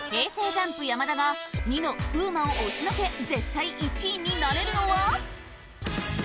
ＪＵＭＰ・山田がニノ風磨を押しのけ絶対１位になれるのは？